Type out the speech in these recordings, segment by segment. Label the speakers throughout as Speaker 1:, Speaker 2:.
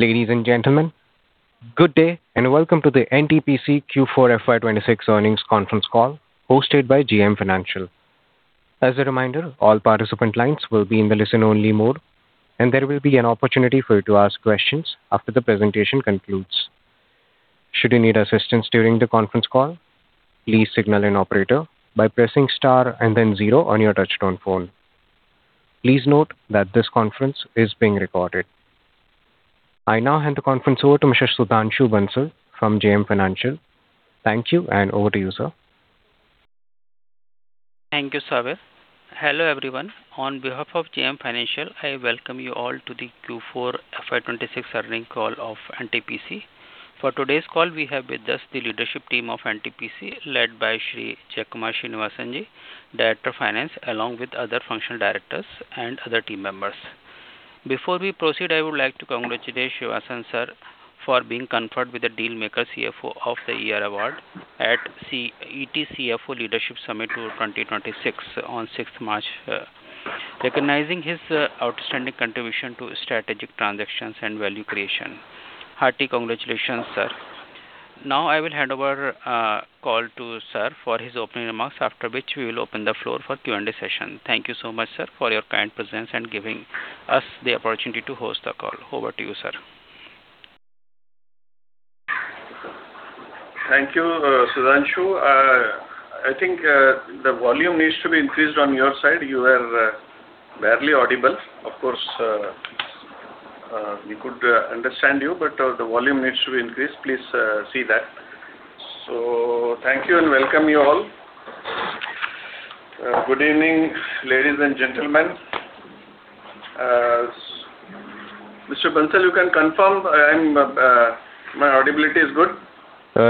Speaker 1: Ladies and gentlemen, good day, and welcome to the NTPC Q4 FY 2026 earnings conference call hosted by JM Financial. As a reminder, all participant lines will be in the listen only mode, and there will be an opportunity for you to ask questions after the presentation concludes. Should you need assistance during the conference call, please signal an operator by pressing star and then zero on your touchtone phone. Please note that this conference is being recorded. I now hand the conference over to Mr. Sudhanshu Bansal from JM Financial. Thank you, and over to you, sir.
Speaker 2: Thank you, [Sava]. Hello, everyone. On behalf of JM Financial, I welcome you all to the Q4 FY 2026 earning call of NTPC. For today's call, we have with us the leadership team of NTPC led by Sri Jaikumar Srinivasan, Director of Finance, along with other functional directors and other team members. Before we proceed, I would like to congratulate Srinivasan, sir, for being conferred with the Dealmaker CFO of the Year award at ET CFO Leadership Summit 2026 on March 6th, recognizing his outstanding contribution to strategic transactions and value creation. Hearty congratulations, sir. I will hand over call to sir for his opening remarks, after which we will open the floor for Q&A session. Thank you so much, sir, for your kind presence and giving us the opportunity to host the call. Over to you, sir.
Speaker 3: Thank you, Sudhanshu. I think the volume needs to be increased on your side. You are barely audible. Of course, we could understand you, but the volume needs to be increased. Please see that. Thank you and welcome you all. Good evening, ladies and gentlemen. Mr. Bansal, you can confirm my audibility is good?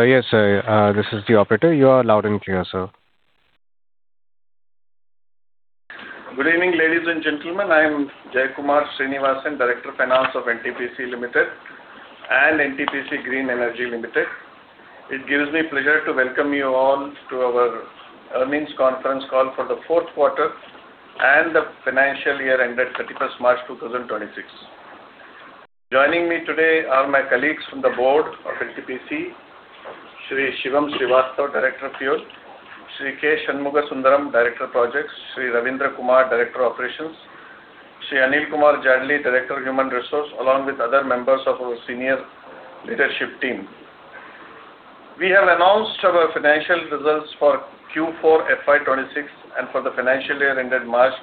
Speaker 1: Yes, sir. This is the operator. You are loud and clear, sir.
Speaker 3: Good evening, ladies and gentlemen. I am Jaikumar Srinivasan, Director of Finance of NTPC Limited and NTPC Green Energy Limited. It gives me pleasure to welcome you all to our earnings conference call for the fourth quarter and the financial year ended March 31st, 2026. Joining me today are my colleagues from the board of NTPC, Sri Shivam Srivastava, Director of Fuel, Sri K. Shanmugha Sundaram, Director of Projects, Sri Ravindra Kumar, Director of Operations, Sri Anil Kumar Jadli, Director of Human Resource, along with other members of our senior leadership team. We have announced our financial results for Q4 FY 2026 and for the financial year ended March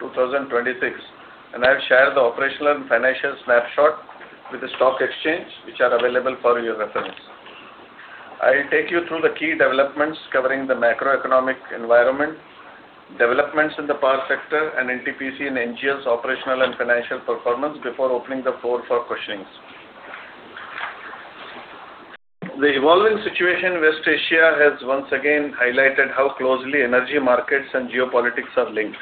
Speaker 3: 2026, and I've shared the operational and financial snapshot with the stock exchange, which are available for your reference. I'll take you through the key developments covering the macroeconomic environment, developments in the power sector, and NTPC and NGEL's operational and financial performance before opening the floor for questionings. The evolving situation in West Asia has once again highlighted how closely energy markets and geopolitics are linked.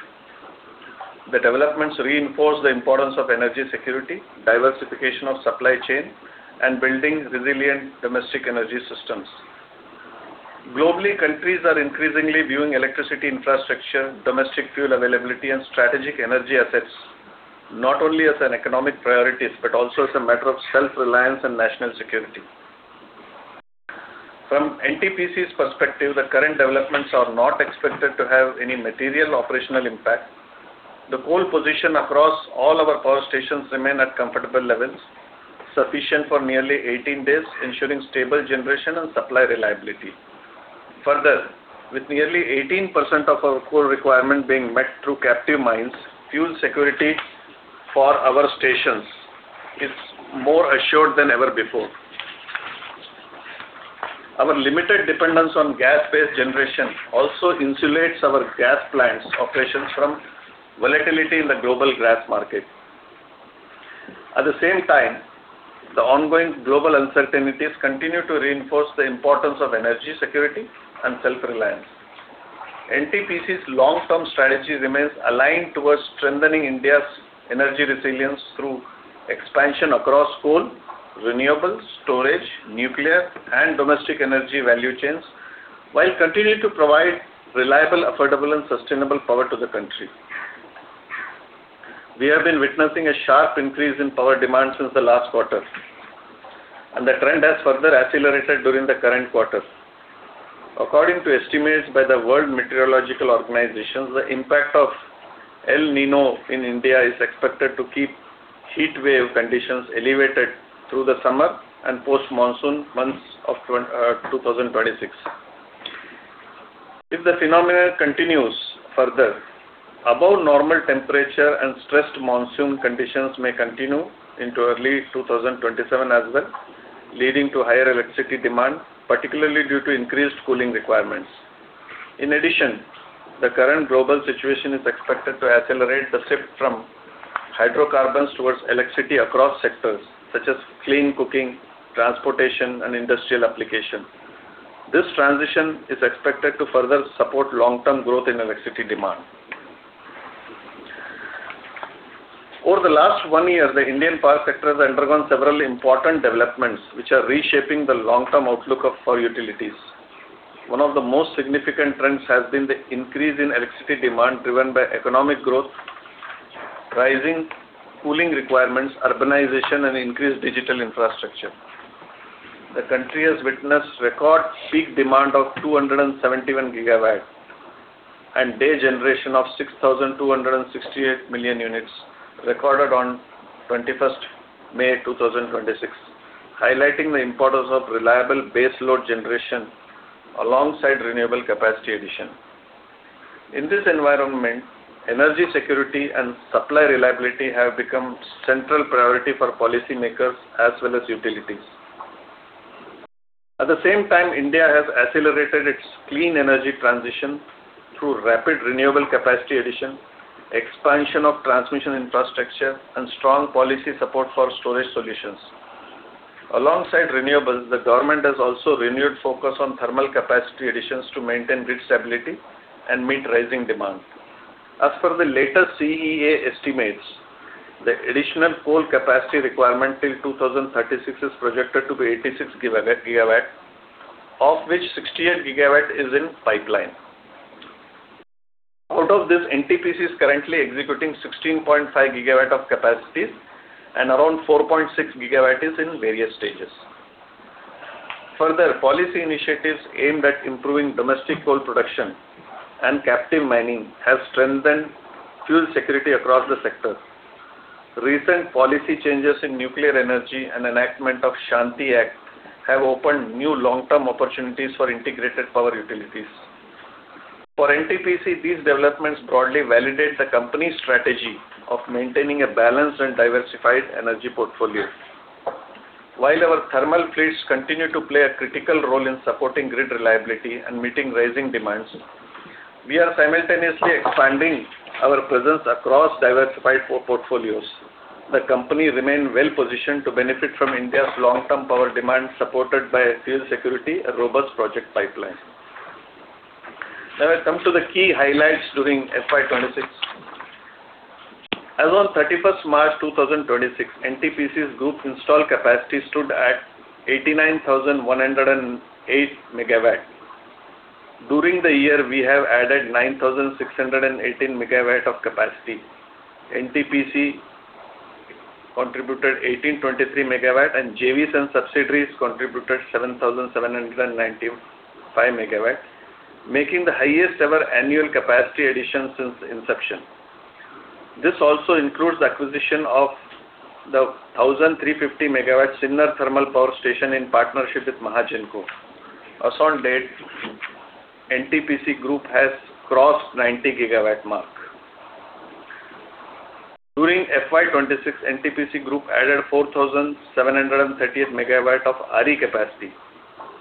Speaker 3: The developments reinforce the importance of energy security, diversification of supply chain, and building resilient domestic energy systems. Globally, countries are increasingly viewing electricity infrastructure, domestic fuel availability, and strategic energy assets, not only as economic priorities, but also as a matter of self-reliance and national security. From NTPC's perspective, the current developments are not expected to have any material operational impact. The coal position across all our power stations remain at comfortable levels, sufficient for nearly 18 days, ensuring stable generation and supply reliability. Further, with nearly 18% of our coal requirement being met through captive mines, fuel security for our stations is more assured than ever before. Our limited dependence on gas-based generation also insulates our gas plants operations from volatility in the global gas market. At the same time, the ongoing global uncertainties continue to reinforce the importance of energy security and self-reliance. NTPC's long-term strategy remains aligned towards strengthening India's energy resilience through expansion across coal, renewables, storage, nuclear, and domestic energy value chains, while continuing to provide reliable, affordable, and sustainable power to the country. We have been witnessing a sharp increase in power demand since the last quarter, and the trend has further accelerated during the current quarter. According to estimates by the World Meteorological Organization, the impact of El Niño in India is expected to keep heatwave conditions elevated through the summer and post-monsoon months of 2026. If the phenomena continues further, above normal temperature and stressed monsoon conditions may continue into early 2027 as well, leading to higher electricity demand, particularly due to increased cooling requirements. In addition, the current global situation is expected to accelerate the shift from hydrocarbons towards electricity across sectors such as clean cooking, transportation, and industrial application. This transition is expected to further support long-term growth in electricity demand. Over the last one year, the Indian power sector has undergone several important developments, which are reshaping the long-term outlook of our utilities. One of the most significant trends has been the increase in electricity demand driven by economic growth, rising cooling requirements, urbanization, and increased digital infrastructure. The country has witnessed record peak demand of 271 GW and day generation of 6,268 million units recorded on May 21st, 2026, highlighting the importance of reliable base load generation alongside renewable capacity addition. In this environment, energy security and supply reliability have become central priority for policymakers as well as utilities. At the same time, India has accelerated its clean energy transition through rapid renewable capacity addition, expansion of transmission infrastructure, and strong policy support for storage solutions. Alongside renewables, the government has also renewed focus on thermal capacity additions to maintain grid stability and meet rising demand. As per the latest CEA estimates, the additional coal capacity requirement till 2036 is projected to be 86 GW, of which 68 GW is in pipeline. Out of this, NTPC is currently executing 16.5 GW of capacities and around 4.6 GW is in various stages. Further, policy initiatives aimed at improving domestic coal production and captive mining have strengthened fuel security across the sector. Recent policy changes in nuclear energy and enactment of SHANTI Act have opened new long-term opportunities for integrated power utilities. For NTPC, these developments broadly validate the company's strategy of maintaining a balanced and diversified energy portfolio. While our thermal fleets continue to play a critical role in supporting grid reliability and meeting rising demands, we are simultaneously expanding our presence across diversified portfolios. The company remain well-positioned to benefit from India's long-term power demand, supported by fuel security and robust project pipeline. I come to the key highlights during FY 2026. As on March 31st, 2026, NTPC's group installed capacity stood at 89,108 MW. During the year, we have added 9,618 MW of capacity. NTPC contributed 1,823 MW, and JVs and subsidiaries contributed 7,795 MW, making the highest ever annual capacity addition since inception. This also includes acquisition of the 1,350 MW Sinnar Thermal Power Station in partnership with Mahagenco. As on date, NTPC group has crossed 90 GW mark. During FY 2026, NTPC group added 4,730 MW of RE capacity.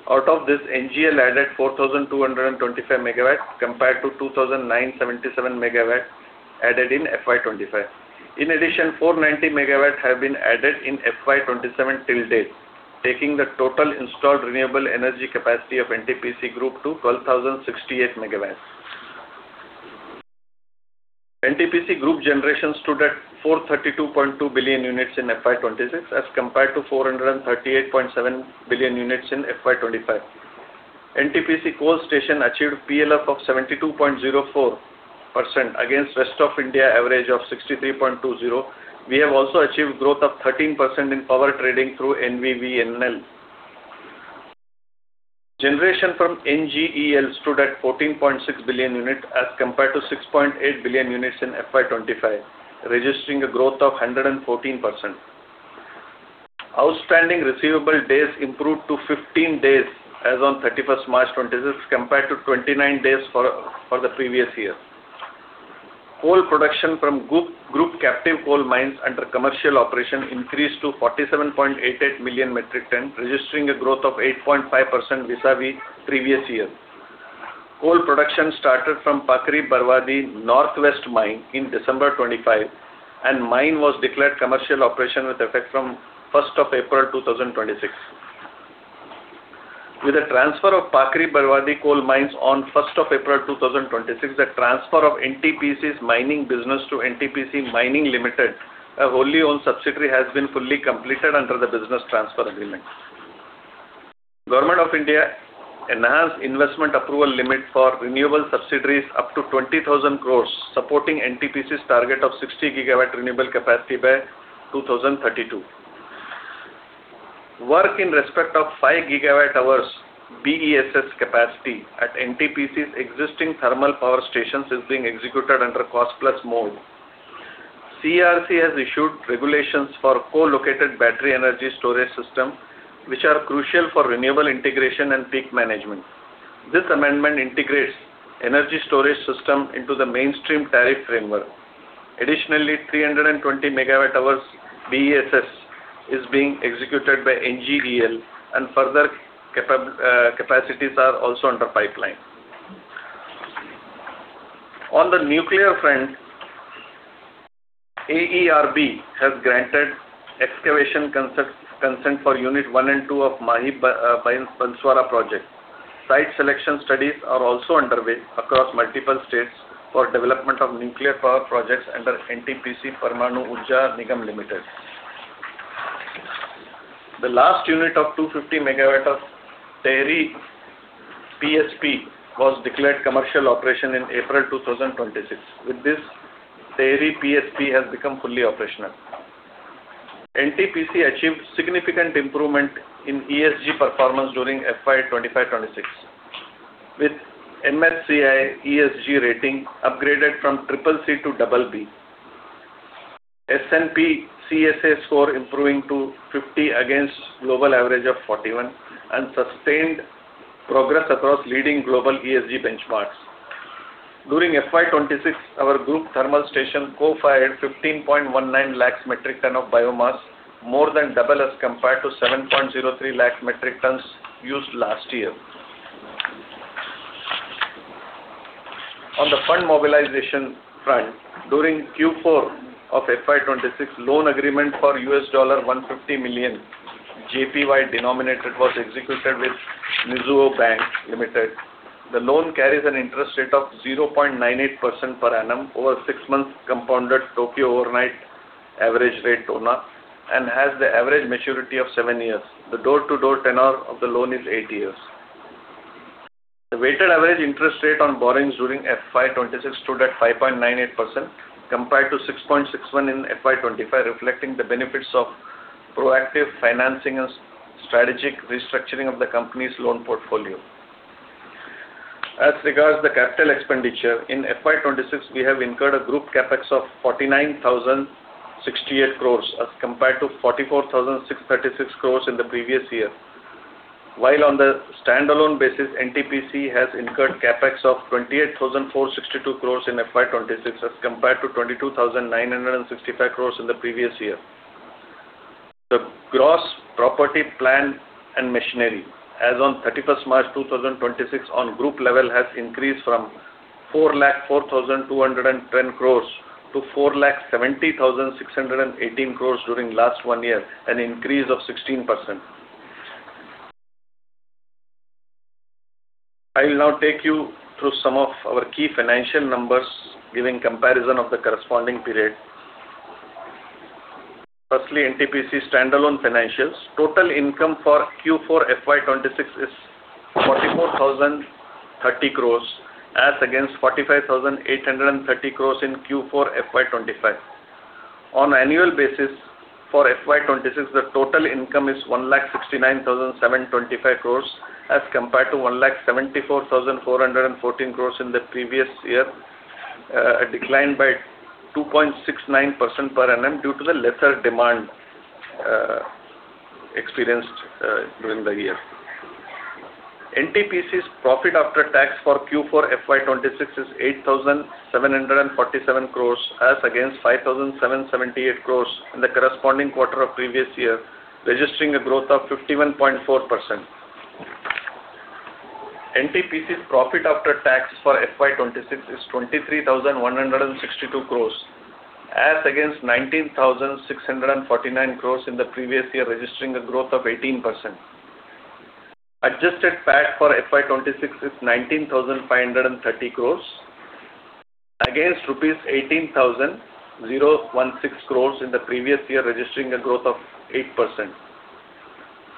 Speaker 3: Out of this, NGEL added 4,225 MW compared to 2,977 MW added in FY 2025. In addition, 490 MW have been added in FY 2027 till date, taking the total installed renewable energy capacity of NTPC group to 12,068 MW. NTPC group generation stood at 432.2 billion units in FY 2026 as compared to 438.7 billion units in FY 2025. NTPC Coal Station achieved PLF of 72.04% against rest of India average of 63.20%. We have also achieved growth of 13% in power trading through NVVNL. Generation from NGEL stood at 14.6 billion units as compared to 6.8 billion units in FY 2025, registering a growth of 114%. Outstanding receivable days improved to 15 days as on March 31st, 2026, compared to 29 days for the previous year. Coal production from group captive coal mines under commercial operation increased to 47.88 million metric tons, registering a growth of 8.5% vis-à-vis previous year. Coal production started from Pakri Barwadih Northwest Mine in December 2025, and mine was declared commercial operation with effect from April 1st, 2026. With the transfer of Pakri Barwadih coal mines on April 1st, 2026, the transfer of NTPC's mining business to NTPC Mining Limited, a wholly owned subsidiary, has been fully completed under the business transfer agreement. Government of India enhanced investment approval limit for renewable subsidiaries up to 20,000 crore, supporting NTPC's target of 60 GW renewable capacity by 2032. Work in respect of 5 GWh BESS capacity at NTPC's existing thermal power stations is being executed under cost-plus mode. CERC has issued regulations for co-located battery energy storage system, which are crucial for renewable integration and peak management. This amendment integrates energy storage system into the mainstream tariff framework. Additionally, 320 MWh BESS is being executed by NGEL and further capacities are also under pipeline. On the nuclear front, AERB has granted excavation consent for Unit-1 and 2 of Mahi Banswara project. Site selection studies are also underway across multiple states for development of nuclear power projects under NTPC Parmanu Urja Nigam Limited. The last unit of 250 MW of Tehri PSP was declared commercial operation in April 2026. With this, Tehri PSP has become fully operational. NTPC achieved significant improvement in ESG performance during FY 2025-2026, with MSCI ESG rating upgraded from CCC-BB, S&P CSA score improving to 50 MW against global average of 41 MW, and sustained progress across leading global ESG benchmarks. During FY 2026, our group thermal station co-fired 15.19 lakh metric tons of biomass, more than double as compared to 7.03 lakh metric tons used last year. On the fund mobilization front, during Q4 of FY 2026, loan agreement for $150 million JPY denominated was executed with Mizuho Bank, Ltd. The loan carries an interest rate of 0.98% per annum over six months compounded Tokyo overnight average rate, TONA, and has the average maturity of seven years. The door-to-door tenor of the loan is eight years. The weighted average interest rate on borrowings during FY 2026 stood at 5.98%, compared to 6.61% in FY 2025, reflecting the benefits of proactive financing and strategic restructuring of the company's loan portfolio. As regards the capital expenditure, in FY 2026, we have incurred a group CapEx of 49,068 crore as compared to 44,636 crore in the previous year. On the standalone basis, NTPC has incurred CapEx of 28,462 crore in FY 2026 as compared to 22,965 crore in the previous year. The gross property plant and machinery as on March 31st, 2026 on group level has increased from 404,210 crore-470,618 crore during last one year, an increase of 16%. I will now take you through some of our key financial numbers, giving comparison of the corresponding period. Firstly, NTPC standalone financials. Total income for Q4 FY 2026 is 44,030 crore as against 45,830 crore in Q4 FY 2025. On annual basis for FY 2026, the total income is 169,725 crore as compared to 174,414 crore in the previous year, a decline by 2.69% per annum due to the lesser demand experienced during the year. NTPC's profit after tax for Q4 FY 2026 is 8,747 crore as against 5,778 crore in the corresponding quarter of previous year, registering a growth of 51.4%. NTPC's profit after tax for FY 2026 is 23,162 crore as against 19,649 crore in the previous year, registering a growth of 18%. Adjusted PAT for FY 2026 is 19,530 crore against rupees 18,016 crore in the previous year, registering a growth of 8%.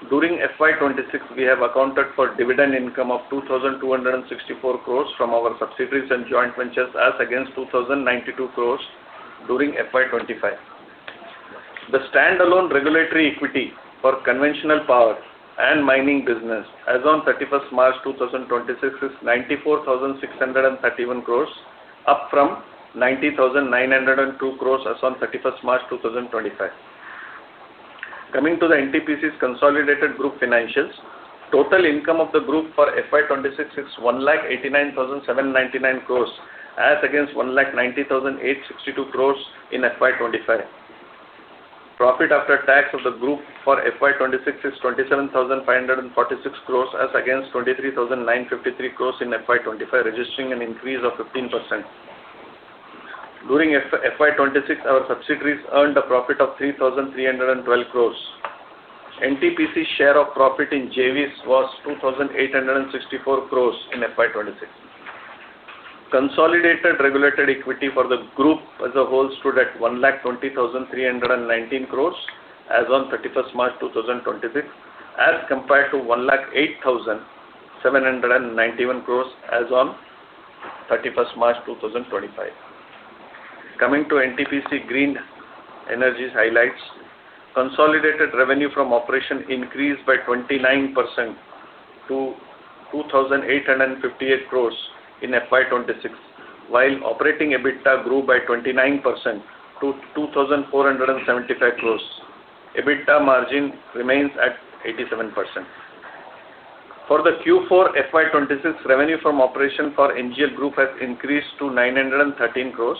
Speaker 3: During FY 2026, we have accounted for dividend income of 2,264 crore from our subsidiaries and joint ventures as against 2,092 crore during FY 2025. The standalone regulatory equity for conventional power and mining business as on March 31st, 2026 is 94,631 crore, up from 90,902 crore as on March 31st, 2025. Coming to the NTPC's consolidated group financials, total income of the group for FY 2026 is 189,799 crore as against 190,862 crore in FY 2025. Profit after tax of the group for FY 2026 is 27,546 crore as against 23,953 crore in FY 2025, registering an increase of 15%. During FY 2026, our subsidiaries earned a profit of 3,312 crore. NTPC's share of profit in JVs was 2,864 crore in FY 2026. Consolidated regulated equity for the group as a whole stood at 120,319 crore as on March 31st, 2026 as compared to 108,791 crore as on March 31st, 2025. Coming to NTPC Green Energy highlights. Consolidated revenue from operation increased by 29% to 2,858 crore in FY 2026, while operating EBITDA grew by 29% to 2,475 crore. EBITDA margin remains at 87%. For the Q4 FY 2026, revenue from operation for NGEL group has increased to 913 crore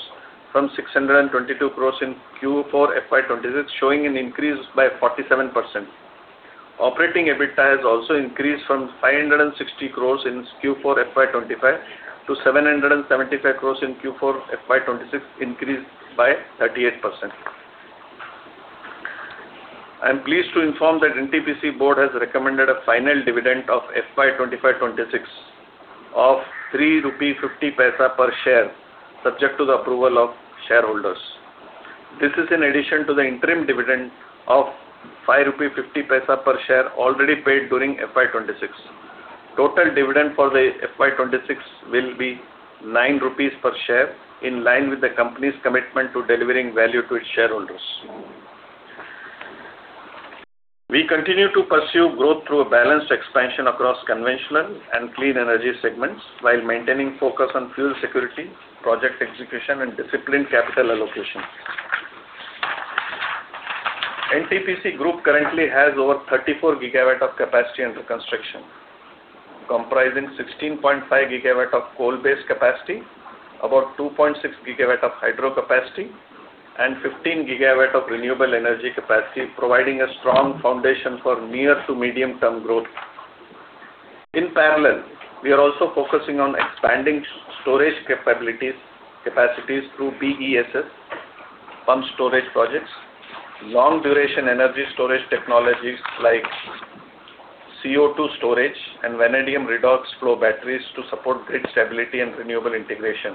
Speaker 3: from 622 crore in Q4 FY 2026, showing an increase by 47%. Operating EBITDA has also increased from 560 crore in Q4 FY 2025 to 775 crore in Q4 FY 2026, increased by 38%. I am pleased to inform that NTPC Board has recommended a final dividend of FY 2025-2026 of INR 3.50 per share, subject to the approval of shareholders. This is in addition to the interim dividend of 5.50 rupees per share already paid during FY 2026. Total dividend for the FY 2026 will be 9 rupees per share, in line with the company's commitment to delivering value to its shareholders. We continue to pursue growth through a balanced expansion across conventional and clean energy segments while maintaining focus on fuel security, project execution, and disciplined capital allocation. NTPC Group currently has over 34 GW of capacity under construction, comprising 16.5 GW of coal-based capacity, about 2.6 GW of hydro capacity, and 15 GW of renewable energy capacity, providing a strong foundation for near to medium-term growth. In parallel, we are also focusing on expanding storage capacities through BESS pump storage projects, long-duration energy storage technologies like CO2 battery, and vanadium redox flow batteries to support grid stability and renewable integration.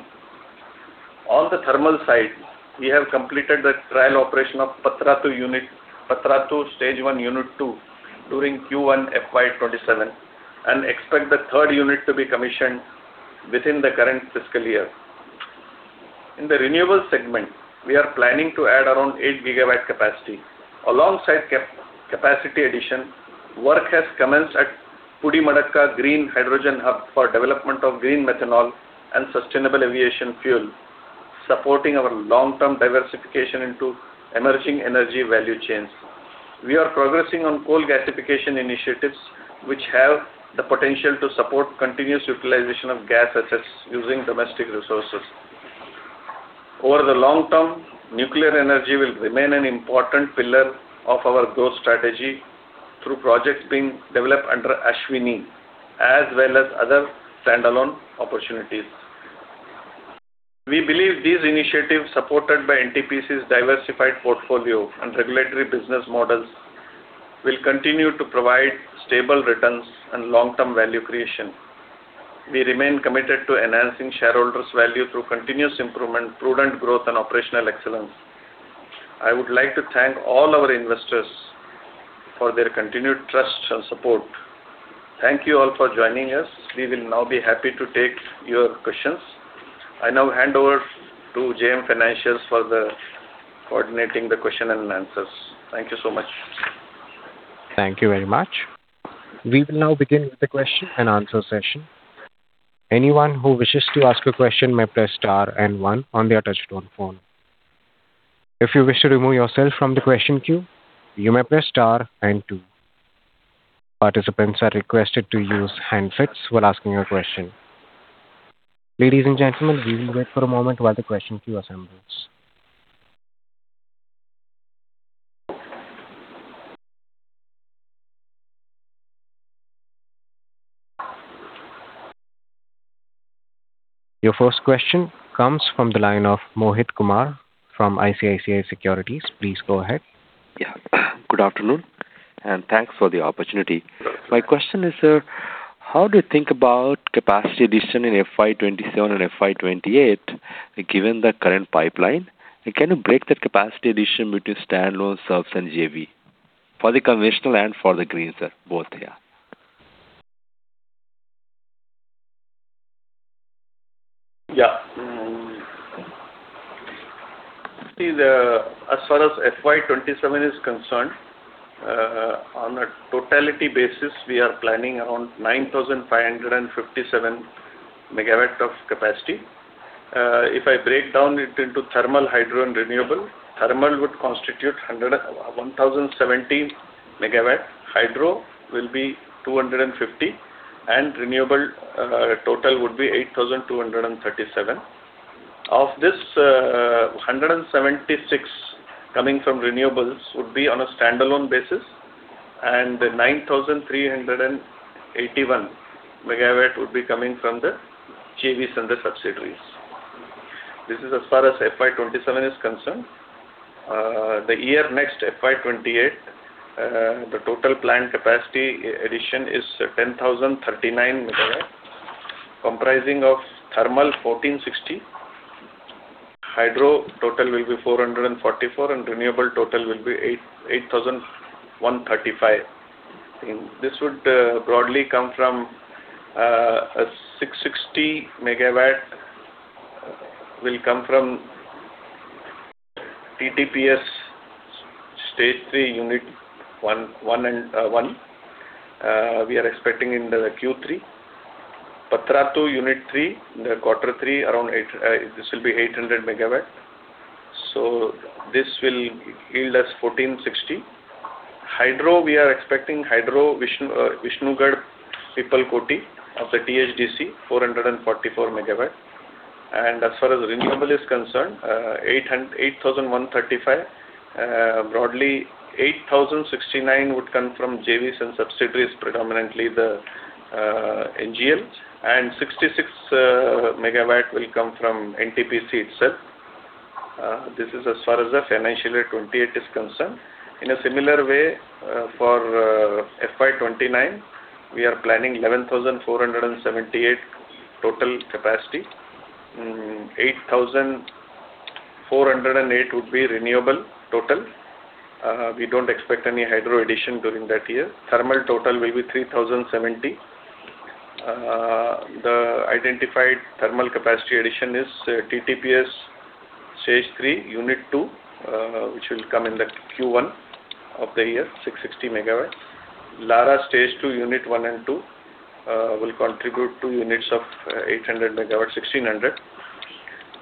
Speaker 3: On the thermal side, we have completed the trial operation of Patratu, Stage I, Unit-2, during Q1 FY 2027 and expect the third unit to be commissioned within the current fiscal year. In the renewable segment, we are planning to add around 8 GW capacity. Alongside capacity addition, work has commenced at Pudimadaka Green Hydrogen Hub for development of green methanol and sustainable aviation fuel, supporting our long-term diversification into emerging energy value chains. We are progressing on coal gasification initiatives, which have the potential to support continuous utilization of gas assets using domestic resources. Over the long term, nuclear energy will remain an important pillar of our growth strategy through projects being developed under ASHVINI, as well as other standalone opportunities. We believe these initiatives, supported by NTPC's diversified portfolio and regulatory business models, will continue to provide stable returns and long-term value creation. We remain committed to enhancing shareholders' value through continuous improvement, prudent growth, and operational excellence. I would like to thank all our investors for their continued trust and support. Thank you all for joining us. We will now be happy to take your questions. I now hand over to JM Financial for coordinating the question and answers. Thank you so much.
Speaker 1: Thank you very much. We will now begin with the question-and-answer session. Anyone who wishes to ask a question may press star and one on their touchtone phone. If you wish to remove yourself from the question queue, you may press star and two. Participants are requested to use handsets while asking a question. Ladies and gentlemen, we will wait for a moment while the question queue assembles. Your first question comes from the line of Mohit Kumar from ICICI Securities. Please go ahead.
Speaker 4: Yeah. Good afternoon, and thanks for the opportunity. My question is, how do you think about capacity addition in FY 2027 and FY 2028, given the current pipeline? Can you break that capacity addition between standalone subs and JV, for the conventional and for the green, sir, both?
Speaker 3: Yeah. As far as FY 2027 is concerned, on a totality basis, we are planning around 9,557 MW of capacity. If I break down into thermal, hydro, and renewable, thermal would constitute 1,070 MW, hydro will be 250 MW, and renewable total would be 8,237 MW. Of this, 176 MW coming from renewables would be on a standalone basis, and 9,381 MW would be coming from the JVs and the subsidiaries. This is as far as FY 2027 is concerned. The year next, FY 2028, the total planned capacity addition is 10,039 MW, comprising of thermal, 1,460 MW, hydro total will be 444 MW, and renewable total will be 8,135 MW. This would broadly come from, 660 MW will come from TTPS Stage III, Unit-1. We are expecting in Q3. Patratu Unit-3, quarter three, this will be 800 MW. This will yield us 1,460 MW. Hydro, we are expecting Vishnugad Pipalkoti of the THDC, 444 MW. As far as renewable is concerned, 8,135 MW. Broadly, 8,069 MW would come from JVs and subsidiaries, predominantly the NGELs. 66 MW will come from NTPC itself. This is as far as the financial year 2028 is concerned. In a similar way, for FY 2029, we are planning 11,478 MW total capacity. 8,408 MW would be renewable total. We don't expect any hydro addition during that year. Thermal total will be 3,070 MW. The identified thermal capacity addition is TTPS Stage II, Unit-2, which will come in the Q1 of the year, 660 MW. Lara Stage II, Unit-1 and 2 will contribute 2 units of 800 MW, 1,600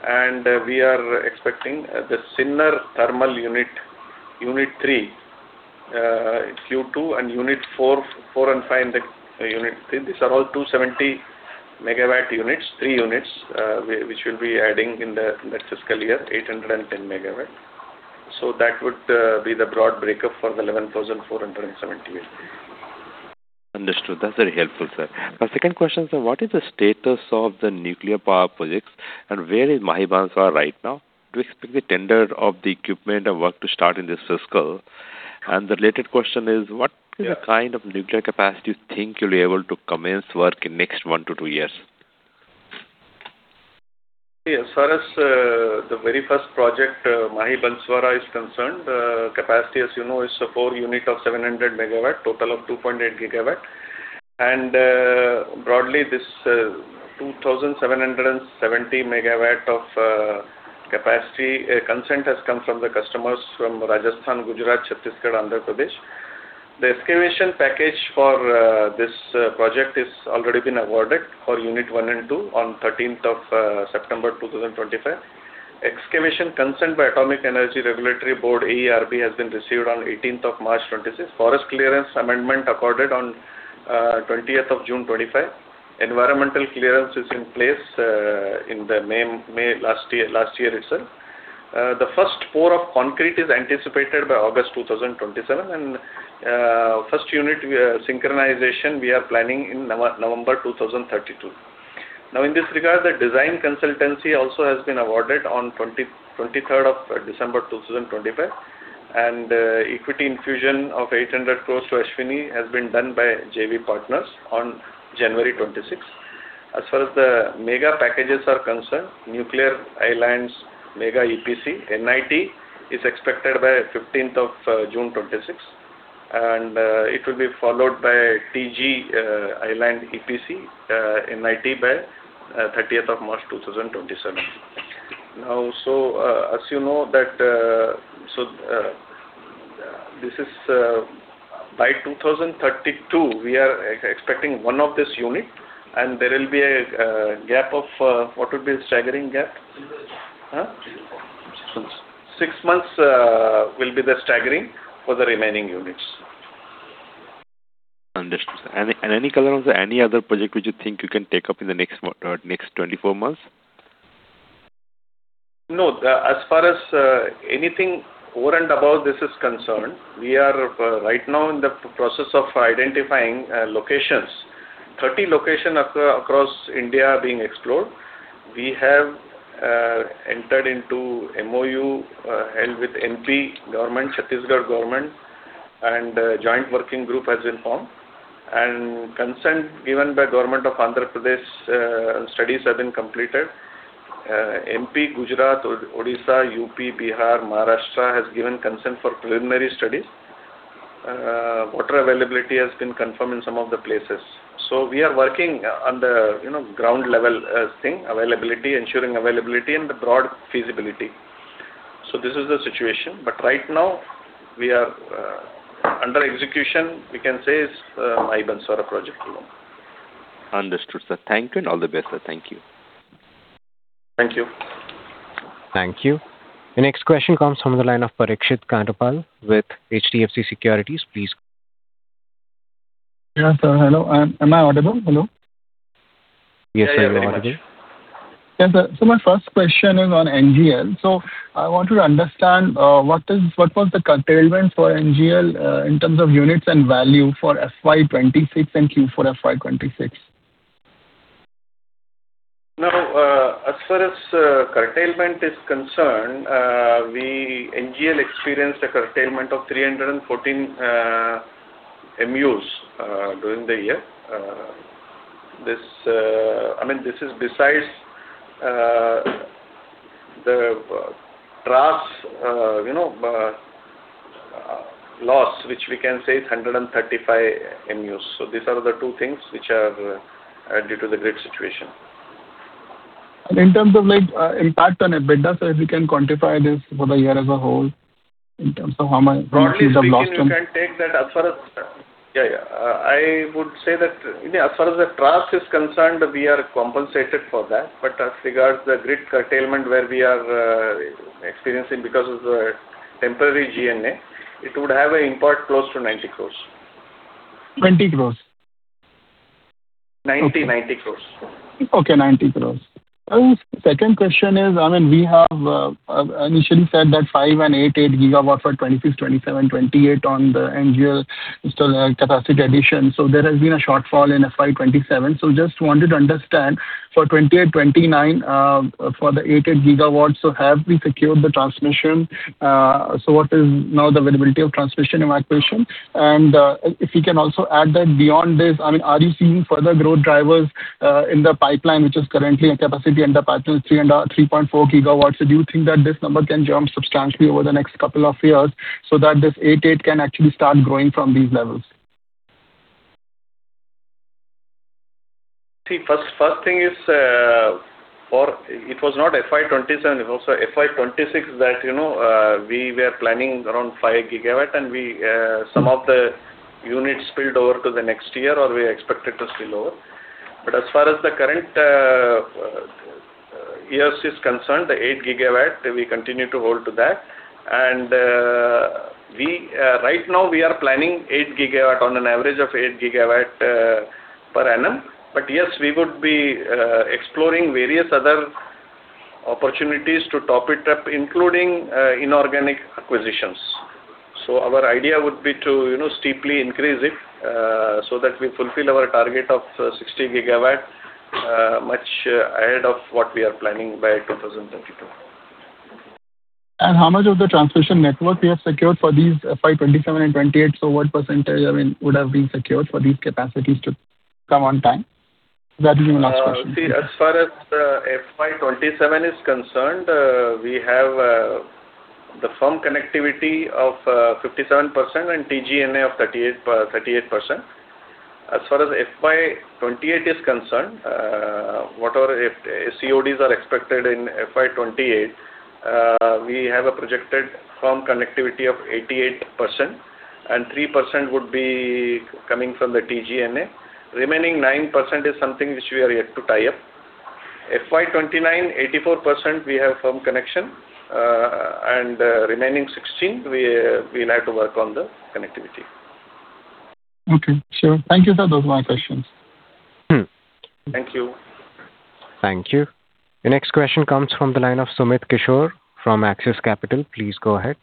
Speaker 3: MW. We are expecting the Sinnar Thermal Unit-3, Q2 and Unit-4 and 5 in the Unit-3. These are all 270 MW units, 3 units, which we'll be adding in the next fiscal year, 810 MW. That would be the broad breakup for the 11,478 MW.
Speaker 4: Understood. That's very helpful, sir. My second question, sir, what is the status of the nuclear power projects, and where is Mahi Banswara right now? Do you expect the tender of the equipment and work to start in this fiscal? The related question is, what-
Speaker 3: Yeah.
Speaker 4: ...is the kind of nuclear capacity you think you'll be able to commence work in next one to two years?
Speaker 3: As far as the very first project, Mahi Banswara is concerned, capacity, as you know, is 4 unit of 700 MW, total of 2.8 GW. Broadly, this 2,770 MW of capacity consent has come from the customers from Rajasthan, Gujarat, Chhattisgarh, Andhra Pradesh. The excavation package for this project is already been awarded for Unit-1 and 2 on September 13th, 2025. Excavation consent by Atomic Energy Regulatory Board, AERB, has been received on March 18th, 2026. Forest clearance amendment accorded on June 20th, 2025. Environmental clearance is in place in the May last year itself. The first pour of concrete is anticipated by August 2027, and first unit synchronization we are planning in November 2032. In this regard, the design consultancy also has been awarded on December 23rd, 2025, and equity infusion of 800 crore to ASHVINI has been done by JV partners on January 2026. As far as the mega packages are concerned, nuclear islands mega EPC, NIT, is expected by June 15th, 2026, and it will be followed by TG island EPC, NIT by March 30th, 2027. As you know that, this is by 2032, we are expecting one of this unit and there will be a gap of What would be the staggering gap?
Speaker 5: Six months.
Speaker 3: Six months will be the staggering for the remaining units.
Speaker 4: Understood, sir. Any other project which you think you can take up in the next 24 months?
Speaker 3: No. As far as anything over and above this is concerned, we are right now in the process of identifying locations. 30 location across India are being explored. We have entered into MoU with MP government, Chhattisgarh government, and a joint working group has been formed. Consent given by government of Andhra Pradesh, studies have been completed. MP, Gujarat, Odisha, UP, Bihar, Maharashtra has given consent for preliminary studies. Water availability has been confirmed in some of the places. We are working on the ground level thing, ensuring availability and the broad feasibility. This is the situation. Right now, we are under execution, we can say, is Mahi Banswara project alone.
Speaker 4: Understood, sir. Thank you and all the best, sir. Thank you.
Speaker 3: Thank you.
Speaker 1: Thank you. The next question comes from the line of Parikshit Kandpal with HDFC Securities. Please go ahead.
Speaker 6: Yeah, sir. Hello. Am I audible? Hello.
Speaker 1: Yes, you are audible.
Speaker 6: Yes, sir. My first question is on NGEL. I want to understand what was the curtailment for NGEL, in terms of units and value for FY 2026 and Q4 FY 2026.
Speaker 3: As far as curtailment is concerned, NGEL experienced a curtailment of 314 MUs during the year. This is besides the TRAS loss, which we can say is 135 MUs. These are the two things which are due to the grid situation.
Speaker 6: In terms of impact on EBITDA, sir, if you can quantify this for the year as a whole, in terms of how much you could have lost?
Speaker 3: Broadly speaking, you can take that as far as I would say that as far as the TRAS is concerned, we are compensated for that, but as regards the grid curtailment where we are experiencing because of the temporary GNA, it would have an impact close to 90 crore.
Speaker 6: 20 crore?
Speaker 3: 90 crore.
Speaker 6: Okay, 90 crore. Second question is, we have initially said that 5 GW and 8 GW for 2026, 2027, 2028 on the NGEL installed capacity addition. There has been a shortfall in FY 2027. Just wanted to understand. For 2028, 2029, for the 8 GW, so have we secured the transmission? What is now the availability of transmission in acquisition? If you can also add that beyond this, are you seeing further growth drivers in the pipeline, which is currently in capacity under pipeline 3 GW and 3.4 GW? Do you think that this number can jump substantially over the next couple of years so that this 8.8 GW can actually start growing from these levels?
Speaker 3: See, first thing is, it was not FY 2027, it was FY 2026 that we were planning around 5 GW and some of the units spilled over to the next year, or we expected to spill over. As far as the current year is concerned, the 8 GW, we continue to hold to that. Right now we are planning on an average of 8 GW per annum. Yes, we would be exploring various other opportunities to top it up, including inorganic acquisitions. Our idea would be to steeply increase it, so that we fulfill our target of 60 GW much ahead of what we are planning by 2022.
Speaker 6: How much of the transmission network we have secured for these FY 2027 and 2028? What percentage would have been secured for these capacities to come on time? That is my last question.
Speaker 3: As far as FY 2027 is concerned, we have the firm connectivity of 57% and TGNA of 38%. As far as FY 2028 is concerned, whatever CODs are expected in FY 2028, we have a projected firm connectivity of 88%, and 3% would be coming from the TGNA. Remaining 9% is something which we are yet to tie up. FY 2029, 84% we have firm connection, and remaining 16%, we will have to work on the connectivity.
Speaker 6: Okay, sure. Thank you, sir. Those are my questions.
Speaker 3: Thank you.
Speaker 1: Thank you. The next question comes from the line of Sumit Kishore from Axis Capital. Please go ahead.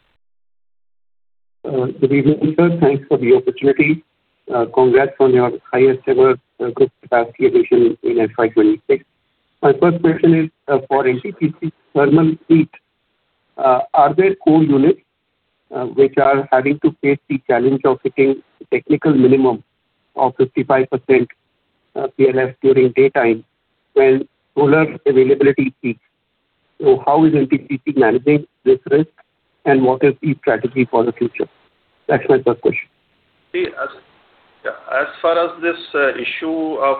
Speaker 7: Good evening, sir. Thanks for the opportunity. Congrats on your highest ever group capacity addition in FY 2026. My first question is for NTPC thermal fleet. Are there core units which are having to face the challenge of hitting the technical minimum of 55% PLF during daytime when solar availability peaks? How is NTPC managing this risk, and what is the strategy for the future? That's my first question.
Speaker 3: See, as far as this issue of,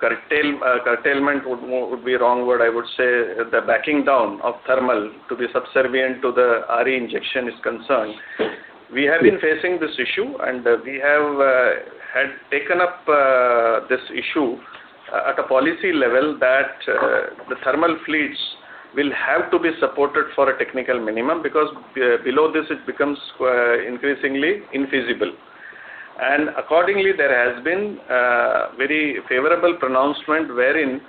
Speaker 3: curtailment would be a wrong word, I would say the backing down of thermal to be subservient to the RE injection is concerned, we have been facing this issue, and we have had taken up this issue at a policy level that the thermal fleets will have to be supported for a technical minimum, because below this it becomes increasingly infeasible. Accordingly, there has been a very favorable pronouncement wherein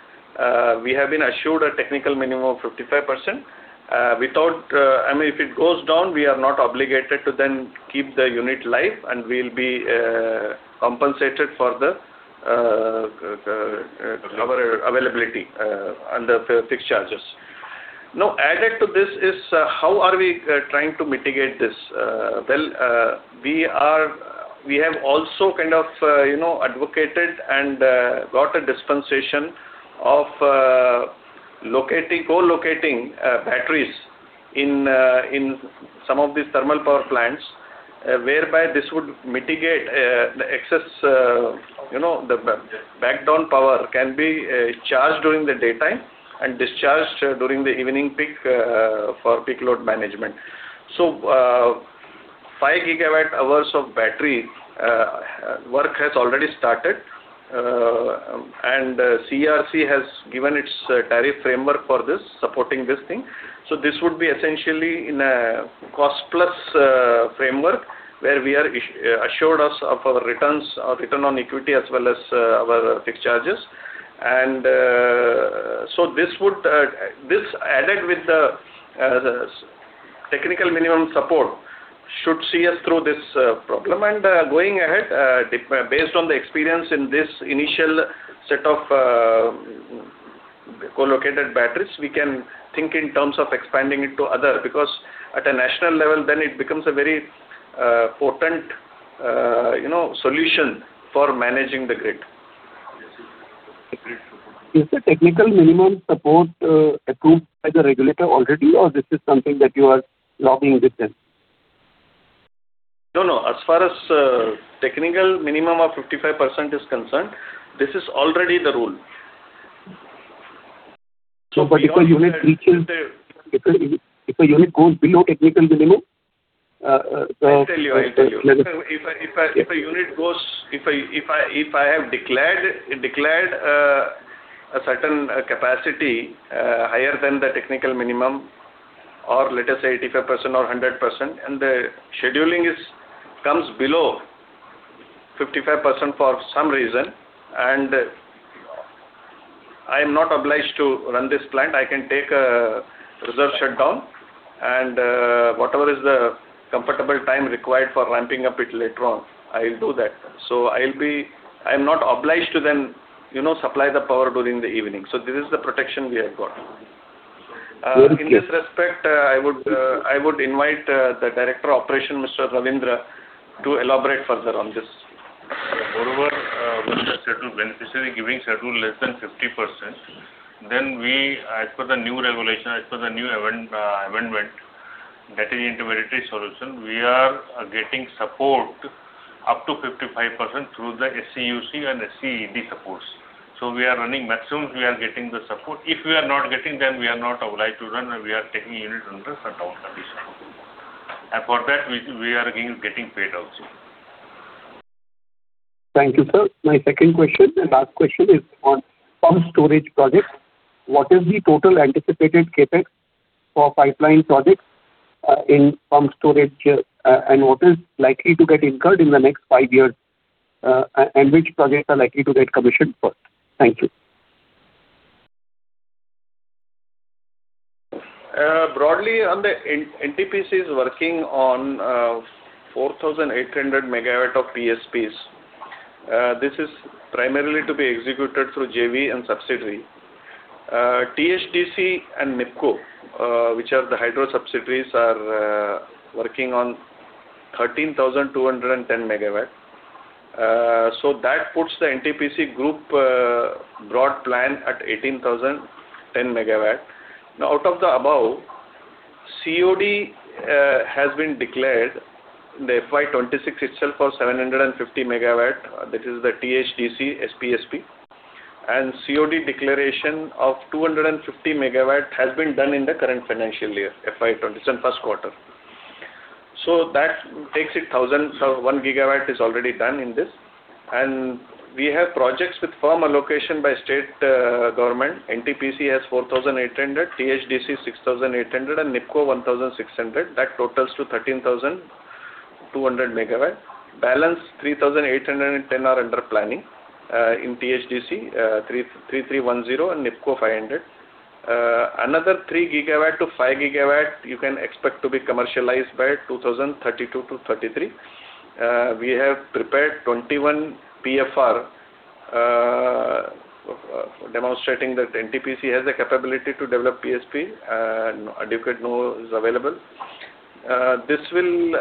Speaker 3: we have been assured a technical minimum of 55%. If it goes down, we are not obligated to then keep the unit live, and we will be compensated for our availability under fixed charges. Added to this is how are we trying to mitigate this? Well, we have also kind of advocated and got a dispensation of co-locating batteries in some of these thermal power plants, whereby this would mitigate the excess. The backed-down power can be charged during the daytime and discharged during the evening peak for peak load management. 5 GWh of battery work has already started, and CERC has given its tariff framework for supporting this thing. This would be essentially in a cost-plus framework where we are assured of our return on equity as well as our fixed charges. This, added with the technical minimum support, should see us through this problem. Going ahead, based on the experience in this initial set of co-located batteries, we can think in terms of expanding it to other, because at a national level then it becomes a very potent solution for managing the grid.
Speaker 7: Is the technical minimum support approved by the regulator already, or this is something that you are logging with them?
Speaker 3: No, no. As far as technical minimum of 55% is concerned, this is already the rule.
Speaker 7: If a unit goes below technical minimum-
Speaker 3: I tell you. If I have declared a certain capacity higher than the technical minimum, or let us say 85% or 100%, and the scheduling comes below 55% for some reason and I am not obliged to run this plant, I can take a reserve shutdown. Whatever is the comfortable time required for ramping up it later on, I'll do that. I am not obliged to then supply the power during the evening. This is the protection we have got. In this respect, I would invite the Director of Operation, Mr. Ravindra, to elaborate further on this.
Speaker 5: When the scheduling giving schedule less than 50%, then we, as per the new regulation, as per the new amendment, that is intermediary solution, we are getting support up to 55% through the SCUC and SCED supports. We are running maximum, we are getting the support. If we are not getting, then we are not obliged to run and we are taking unit under shutdown condition. For that, we are getting paid also.
Speaker 7: Thank you, sir. My second question and last question is on pump storage projects. What is the total anticipated CapEx for pipeline projects in pump storage, and what is likely to get incurred in the next five years? Which projects are likely to get commissioned first? Thank you.
Speaker 3: Broadly, NTPC is working on 4,800 MW of PSPs. This is primarily to be executed through JV and subsidiary. THDC and NEEPCO, which are the hydro subsidiaries, are working on 13,210 MW. That puts the NTPC group broad plan at 18,010 MW. Out of the above, COD has been declared in the FY 2026 itself for 750 MW. That is the THDC SPSP. COD declaration of 250 MW has been done in the current financial year, FY 2027 first quarter. That takes it 1,001 GW is already done in this. We have projects with firm allocation by state government. NTPC has 4,800 MW, THDC 6,800 MW, and NEEPCO 1,600 MW. That totals to 13,200 MW. Balance 3,810 MW are under planning in THDC, 3,310 MW and NEEPCO 500 MW. Another 3 GW-5 GW you can expect to be commercialized by 2032-2033. We have prepared 21 PFR demonstrating that NTPC has the capability to develop PSP and adequate know-how is available. This will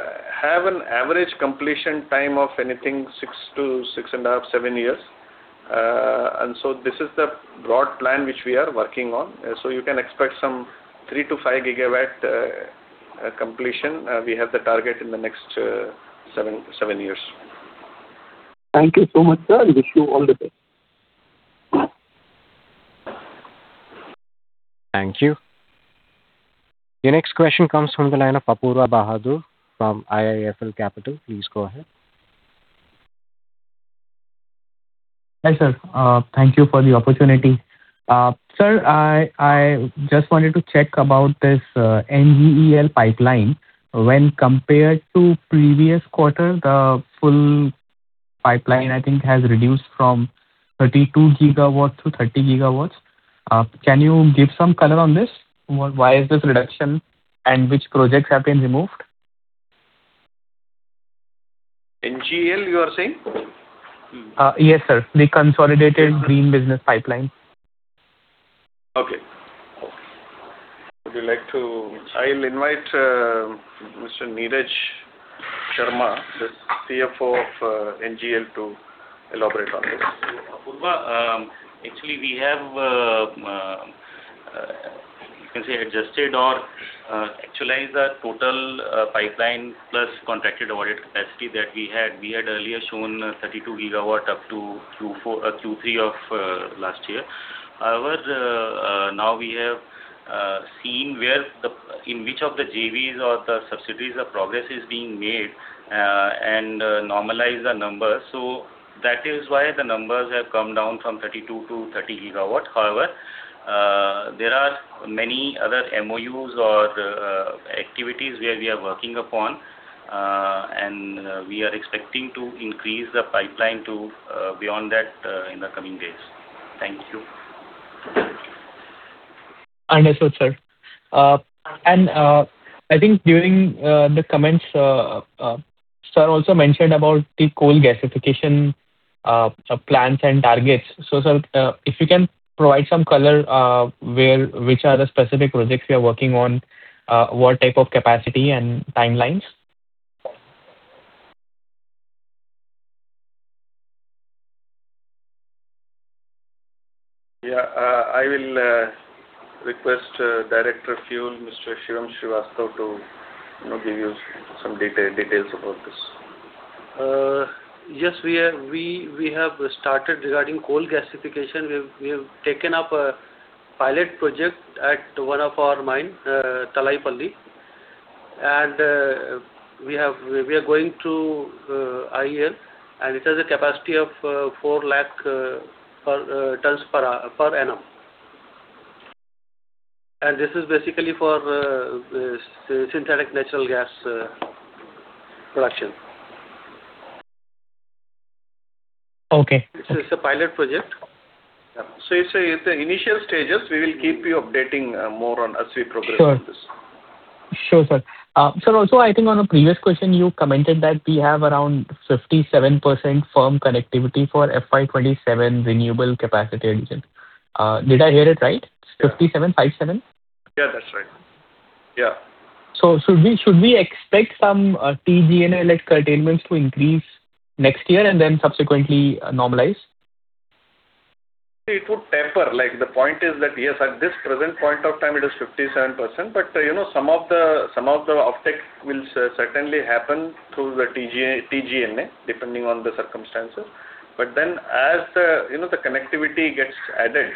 Speaker 3: have an average completion time of anything six to six and a half, seven years. This is the broad plan which we are working on. You can expect some 3 GW-5 GW completion. We have the target in the next seven years.
Speaker 7: Thank you so much, sir. Wish you all the best.
Speaker 1: Thank you. The next question comes from the line of Apoorva Bahadur from IIFL Capital. Please go ahead.
Speaker 8: Hi, sir. Thank you for the opportunity. Sir, I just wanted to check about this NGEL pipeline. When compared to previous quarter, the full pipeline, I think, has reduced from 32 GW-30 GW. Can you give some color on this? Why is this reduction, and which projects have been removed?
Speaker 3: NGEL, you are saying?
Speaker 8: Yes, sir. The consolidated green business pipeline.
Speaker 3: Okay. I'll invite Mr. Neeraj Sharma, the CFO of NGEL to elaborate on this.
Speaker 9: Apoorva, actually, we have, you can say, adjusted or actualized our total pipeline plus contracted awarded capacity that we had earlier shown 32 GW up to Q3 of last year. Now we have seen in which of the JVs or the subsidiaries the progress is being made, and normalize the number. That is why the numbers have come down from 32 GW-30 GW. There are many other MoUs or activities where we are working upon. We are expecting to increase the pipeline to beyond that in the coming days. Thank you.
Speaker 8: Understood, sir. I think during the comments, sir also mentioned about the coal gasification plans and targets. Sir, if you can provide some color, which are the specific projects we are working on, what type of capacity and timelines?
Speaker 3: I will request Director of Fuel, Mr. Shivam Srivastava to give you some details about this.
Speaker 10: Yes, we have started regarding coal gasification. We have taken up a pilot project at one of our mine, Talaipalli. We are going through EIL, and it has a capacity of 4 lakh tons per annum. This is basically for synthetic natural gas production.
Speaker 8: Okay. This is a pilot project.
Speaker 3: It's in the initial stages. We will keep you updating more as we progress with this.
Speaker 8: Sure. Sure, sir. Sir, also, I think on a previous question, you commented that we have around 57% firm connectivity for FY 2027 renewable capacity addition. Did I hear it right? 57%?
Speaker 3: Yeah, that's right. Yeah.
Speaker 8: Should we expect some TGNA curtailments to increase next year and then subsequently normalize?
Speaker 3: It would taper. The point is that, yes, at this present point of time, it is 57%, but some of the offtake will certainly happen through the TGNA, depending on the circumstances. As the connectivity gets added,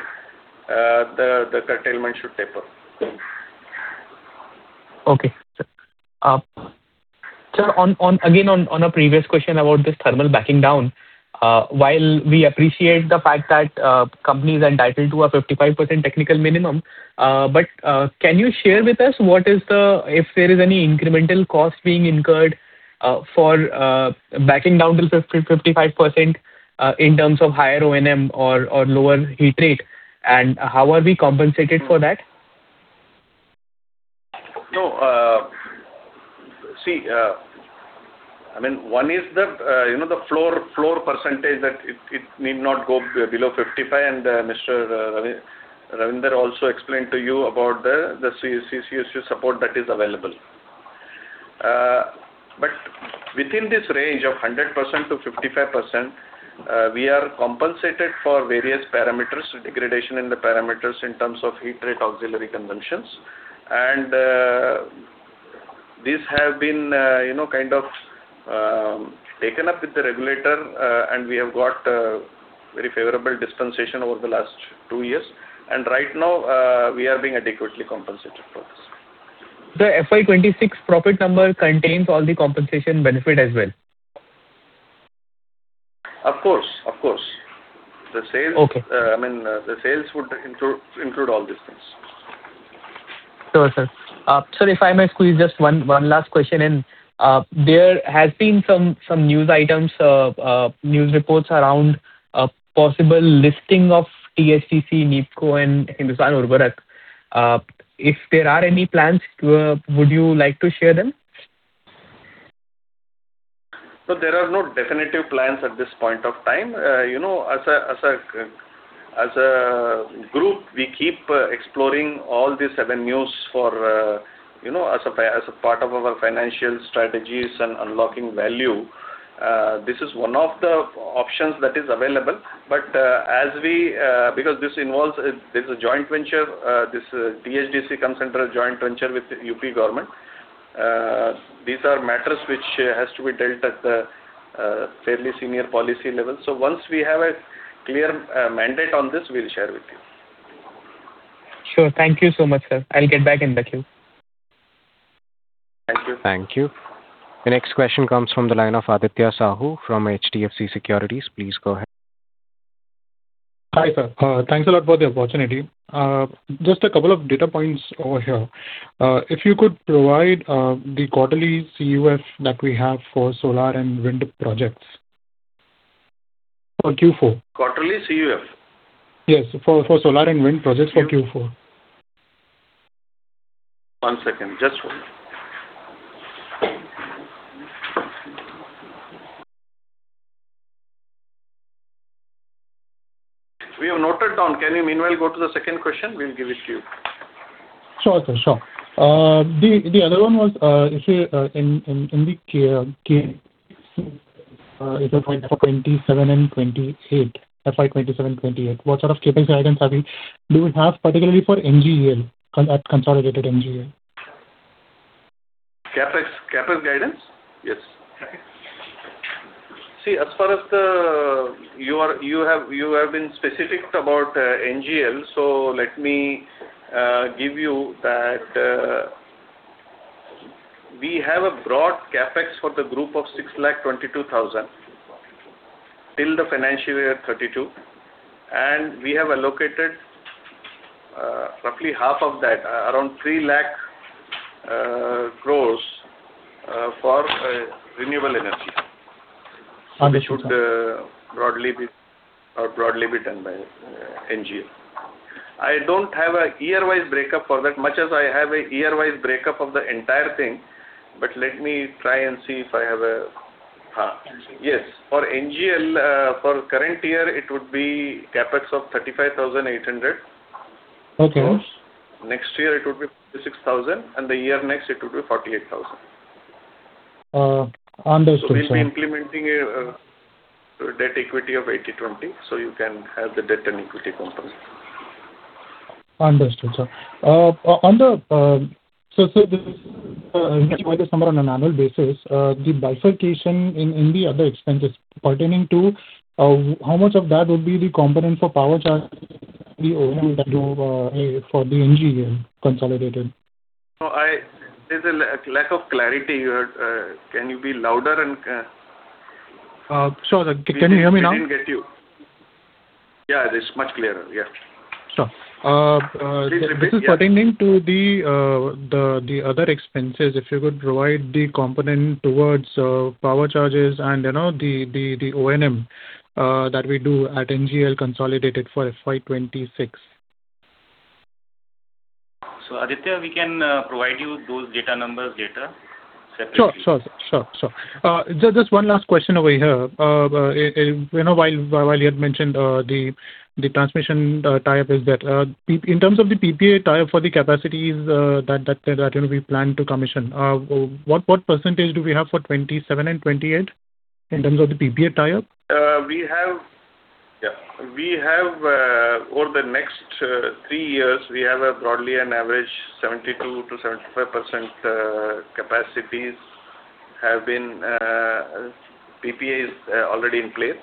Speaker 3: the curtailment should taper.
Speaker 8: Okay. Sir, again, on a previous question about this thermal backing down, while we appreciate the fact that companies are entitled to a 55% technical minimum, can you share with us if there is any incremental cost being incurred for backing down till 55% in terms of higher O&M or lower heat rate, and how are we compensated for that?
Speaker 3: No. One is the floor percentage that it need not go below 55%, and Mr. Ravindra also explained to you about the SCUC support that is available. Within this range of 100%-55%, we are compensated for various parameters, degradation in the parameters in terms of heat rate, auxiliary consumptions. These have been taken up with the regulator, and we have got very favorable dispensation over the last two years. Right now, we are being adequately compensated for this.
Speaker 8: The FY 2026 profit number contains all the compensation benefit as well.
Speaker 3: Of course-
Speaker 8: Okay.
Speaker 3: ...the sales would include all these things.
Speaker 8: Sure, sir. Sir, if I may squeeze just one last question in. There has been some news items, news reports around a possible listing of THDC, NEEPCO and Hindustan Urvarak & Rasayan Limited. If there are any plans, would you like to share them?
Speaker 3: There are no definitive plans at this point of time. As a group, we keep exploring all these avenues as a part of our financial strategies and unlocking value. This is one of the options that is available. This is a joint venture, THDC comes under a joint venture with the UP Government. These are matters which has to be dealt at the fairly senior policy level. Once we have a clear mandate on this, we'll share with you.
Speaker 8: Sure. Thank you so much, sir. I'll get back in the queue.
Speaker 3: Thank you.
Speaker 1: Thank you. The next question comes from the line of Aditya Sahu from HDFC Securities. Please go ahead.
Speaker 11: Hi, sir. Thanks a lot for the opportunity. Just a couple of data points over here. If you could provide the quarterly CUF that we have for solar and wind projects for Q4.
Speaker 3: Quarterly CUF?
Speaker 11: Yes, for solar and wind projects for Q4.
Speaker 3: One second. Just one minute. We have noted down. Can we meanwhile go to the second question? We'll give it to you.
Speaker 11: Sure, sir. The other one was, say, in the FY 2027 and 2028, what sort of CapEx guidance do we have particularly for NGEL, at consolidated NGEL?
Speaker 3: CapEx guidance?
Speaker 11: Yes.
Speaker 3: You have been specific about NGEL, so let me give you that we have a broad CapEx for the group of 0.0622 crore till the financial year 2032, and we have allocated roughly half of that, around 300,000 crore for renewable energy.
Speaker 11: Understood.
Speaker 3: Which would broadly be done by NGEL. I don't have a year-wise breakup for that, much as I have a year-wise breakup of the entire thing. Yes. For NGEL, for current year, it would be CapEx of 35,800.
Speaker 11: Okay.
Speaker 3: Next year, it would be 56,000. The year next, it would be 48,000.
Speaker 11: Understood, sir.
Speaker 3: We'll be implementing a debt equity of 80/20, so you can have the debt and equity component.
Speaker 11: Understood, sir. This on an annual basis, the bifurcation in the other expenses pertaining to how much of that would be the component for power charges for the NGEL consolidated?
Speaker 3: There's a lack of clarity. Can you be louder and?
Speaker 11: Sure, sir. Can you hear me now?
Speaker 3: I didn't get you. Yeah, it is much clearer. Yeah.
Speaker 11: Sure. This is pertaining to the other expenses, if you could provide the component towards power charges and the O&M that we do at NGEL consolidated for FY 2026.
Speaker 3: Aditya, we can provide you those data numbers later separately.
Speaker 11: Sure. Just one last question over here. You had mentioned the transmission tie-up, in terms of the PPA tie-up for the capacities that we plan to commission, what percentage do we have for 2027 and 2028 in terms of the PPA tie-up?
Speaker 3: Over the next three years, we have broadly an average 72%-75% capacities have been PPAs already in place.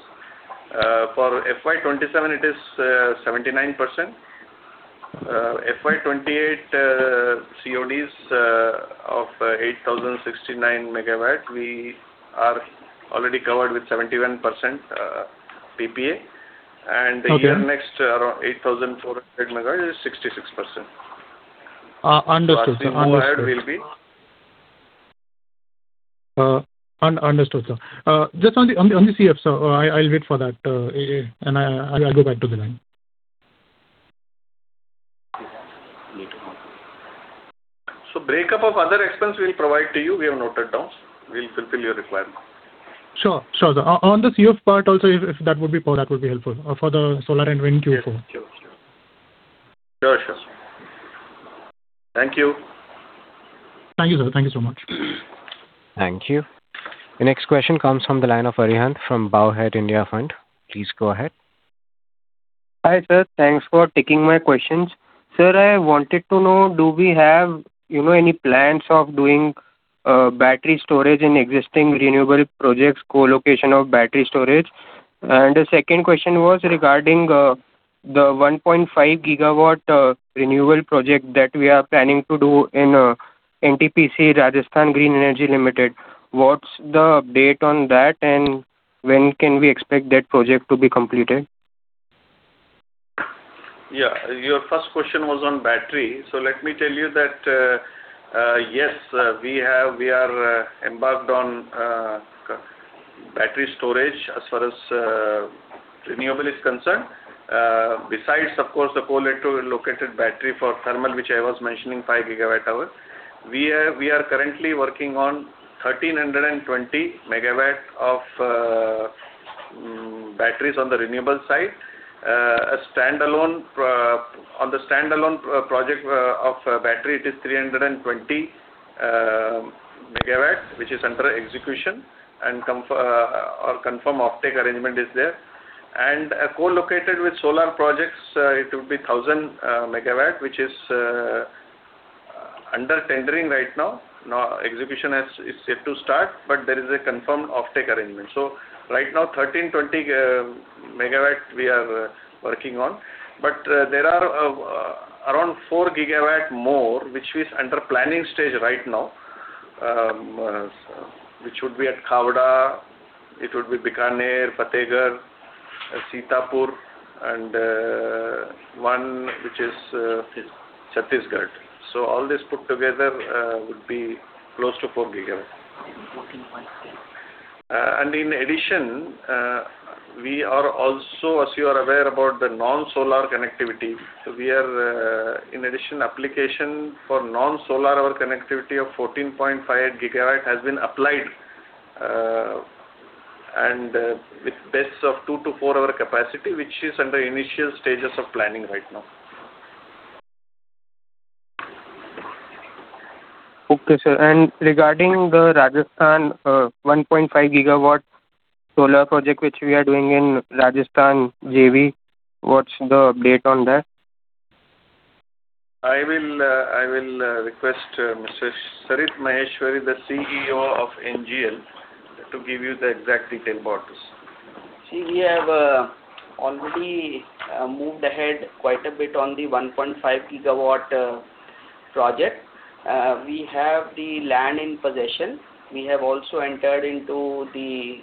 Speaker 3: For FY 2027, it is 79%. FY 2028, CODs of 8,069 MW, we are already covered with 71% PPA. The year next, around 8,400 MW is 66%.
Speaker 11: Understood, sir.
Speaker 3: Last year hired will be.
Speaker 11: Understood, sir. Just on the CF, sir, I'll wait for that. I'll go back to the line.
Speaker 3: Break-up of other expense we'll provide to you. We have noted down. We'll fulfill your requirement.
Speaker 11: Sure, sir. On the CF part also, if that would be possible, that would be helpful for the solar and wind Q4.
Speaker 3: Sure. Thank you.
Speaker 11: Thank you, sir. Thank you so much.
Speaker 1: Thank you. The next question comes from the line of Arihant from Bowhead India Fund. Please go ahead.
Speaker 12: Hi, sir. Thanks for taking my questions. Sir, I wanted to know, do we have any plans of doing battery storage in existing renewable projects, co-location of battery storage? The second question was regarding the 1.5 GW renewable project that we are planning to do in NTPC Rajasthan Green Energy Limited. What's the update on that, and when can we expect that project to be completed?
Speaker 3: Yeah. Your first question was on battery. Let me tell you that, yes, we are embarked on battery storage as far as renewable is concerned. Besides, of course, the co-located battery for thermal, which I was mentioning, 5 GWh. We are currently working on 1,320 MW of batteries on the renewable side. On the standalone project of battery, it is 320 MW, which is under execution and confirm off-take arrangement is there. Co-located with solar projects, it would be 1,000 MW, which is under tendering right now. Execution is yet to start, there is a confirmed off-take arrangement. Right now, 1,320 MW we are working on. There are around 4 GW more, which is under planning stage right now, which would be at Kawas, it would be Bikaner, Fatehabad, Sitapur, and one which is Chhattisgarh. All this put together would be close to four gigawatts. In addition, we are also, as you are aware, about the non-solar connectivity. We are, in addition, application for non-solar hour connectivity of 14.5 GW has been applied, and with bases of two to four-hour capacity, which is under initial stages of planning right now.
Speaker 12: Okay, sir. Regarding the Rajasthan 1.5 GW solar project, which we are doing in Rajasthan JV, what's the update on that?
Speaker 3: I will request Mr. Sarit Maheshwari, the CEO of NGEL, to give you the exact detail about this.
Speaker 13: We have already moved ahead quite a bit on the 1.5 GW project. We have the land in possession. We have also entered into the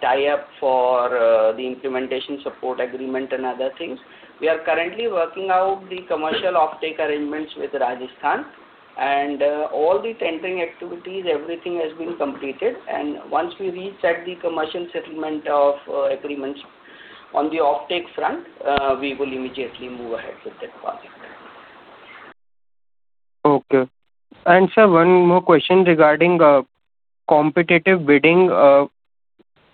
Speaker 13: tie-up for the implementation support agreement and other things. We are currently working out the commercial off-take arrangements with Rajasthan, and all the tendering activities, everything has been completed. Once we reach at the commercial settlement of agreements on the off-take front, we will immediately move ahead with that project.
Speaker 12: Okay. Sir, one more question regarding competitive bidding.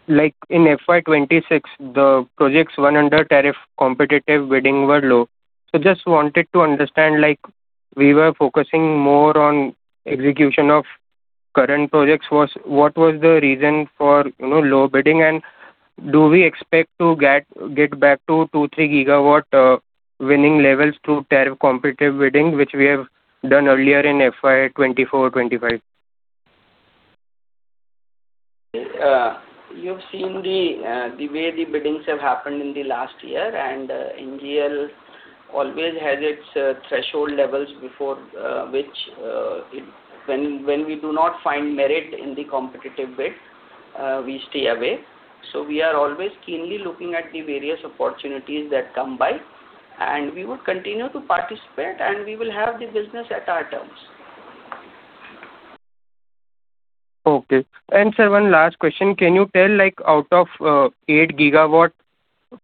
Speaker 12: Like in FY 2026, the projects won under tariff competitive bidding were low. Just wanted to understand, we were focusing more on execution of current projects. What was the reason for low bidding, and do we expect to get back to 2 GW, 3 GW winning levels through tariff competitive bidding, which we have done earlier in FY 2024-2025?
Speaker 13: You've seen the way the biddings have happened in the last year. NGEL always has its threshold levels before, which when we do not find merit in the competitive bid, we stay away. We are always keenly looking at the various opportunities that come by, and we would continue to participate, and we will have the business at our terms.
Speaker 12: Okay. Sir, one last question. Can you tell out of 8 GW